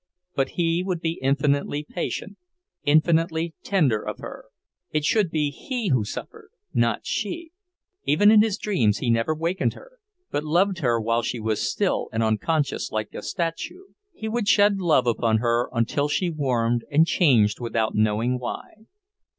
But he would be infinitely patient, infinitely tender of her. It should be he who suffered, not she. Even in his dreams he never wakened her, but loved her while she was still and unconscious like a statue. He would shed love upon her until she warmed and changed without knowing why.